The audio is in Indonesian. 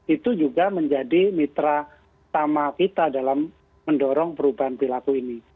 itu juga menjadi mitra utama kita dalam mendorong perubahan perilaku ini